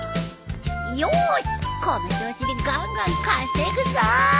よしこの調子でガンガン稼ぐぞ！